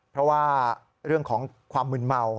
เพราะว่าเรื่องของความมืนเมา